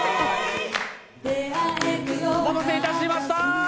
お待たせいたしました。